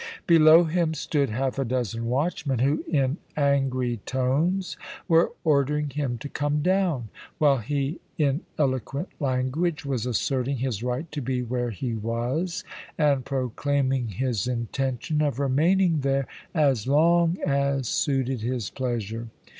Below him stood half a dozen watchmen, who, in angry tones, were ordering him to come down, while he, in eloquent language, was asserting his right to be where he was, and proclaiming his intention of remaining there as long as suited his pleasure.